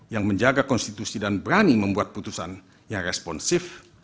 yang menjaga konstitusi dan berani membuat putusan yang responsif